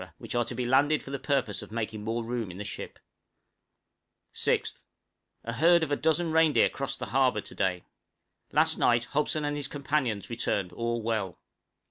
which are to be landed for the purpose of making more room in the ship. {HOBSON'S PARTY RETURNED.} 6th. A herd of a dozen reindeer crossed the harbor to day. Last night Hobson and his companions returned, all well.